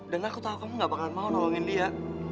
dan aku tahu kamu nggak bakalan mau nolongin lia